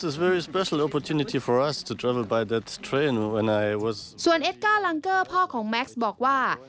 ส่วนเอสก้าลังเกอร์พ่อของแม็กซ์บอกว่า